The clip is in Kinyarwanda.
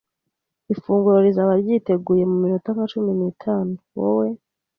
Ifunguro rizaba ryiteguye muminota nka cumi n'itanu Wowe,